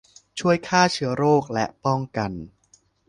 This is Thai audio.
ช่วยฆ่าเชื้อโรคและป้องกัน